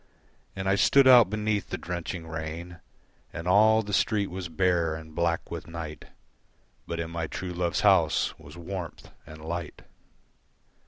And I stood out beneath the drenching rain And all the street was bare, and black with night, But in my true love's house was warmth and light.